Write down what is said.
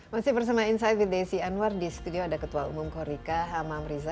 masih bersama insight with desi anwar di studio ada ketua umum korika hamam riza